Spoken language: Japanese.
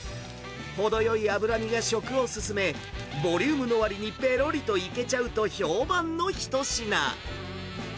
程よい脂身が食を進め、ボリュームのわりにぺろりといけちゃうと評判の一品。